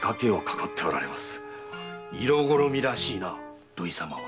色好みらしいな土井様は。